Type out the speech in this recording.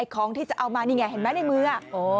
ของที่จะเอามานี่ไงเห็นไหมในมือ